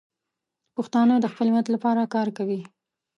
پښتانه د خپل ملت لپاره تل کار کوي.